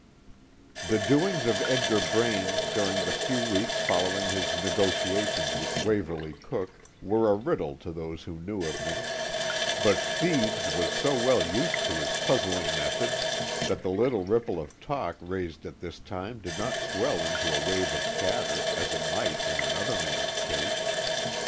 X. The doings of Edgar Braine, during the few weeks following his negotiations with Waverley Cooke, were a riddle to those who knew of them; but Thebes was so well used to his puzzling methods that the little ripple of talk raised at this time did not swell into a wave of chatter, as it might in another man's case.